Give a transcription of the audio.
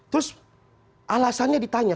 terus alasannya ditanya